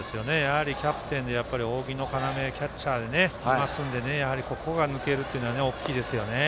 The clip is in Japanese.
キャッチャーで扇の要、キャプテンですのでここが抜けるというのは大きいですよね。